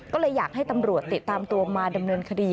ก็เลยอยากให้ตำรวจติดตามตัวมาดำเนินคดี